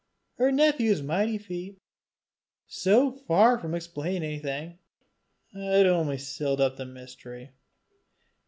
Her nephew's mighty feat, so far from explaining anything, had only sealed up the mystery.